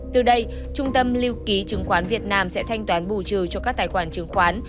từ đây trung tâm lưu ký chứng khoán việt nam sẽ thanh toán bù trừ cho các tài khoản chứng khoán